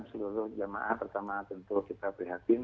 seluruh jemaah pertama tentu kita prihatin